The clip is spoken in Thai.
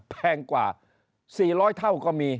แพงกว่า๔๐๐เท่าก็มี